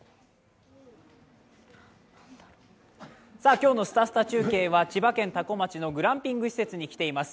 今日のすたすた中継は千葉県多古町のグランピング施設に来ています。